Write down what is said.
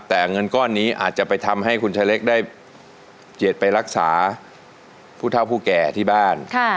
แต่เงินก้อนนี้อาจจะไปทำให้คุณชายเล็กด้วย